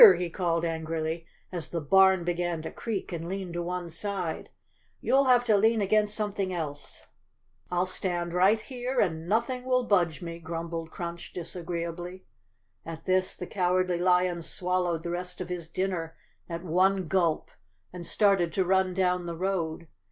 he called angrily, as the barn began to creak and lean to one side, "you'll have to lean against something else! " "I'll stand right here, and nothing will budge me," grumbled Crunch disagreeably. At this the Cowardly Lion swallowed the rest of his dinner at one gulp and started to run down the road.